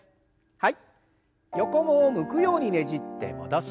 はい。